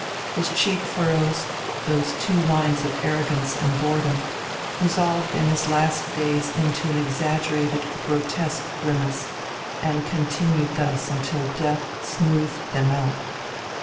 His cheek furrows, those two lines of arrogance and boredom, resolved in his last days into an exaggerated, grotesque grimace, and continued thus until death smoothed them out.